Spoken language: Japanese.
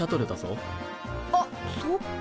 あっそっか。